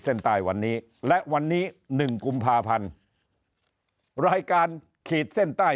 เส้นใต้วันนี้และวันนี้หนึ่งกุมภาพันธ์รายการขีดเส้นใต้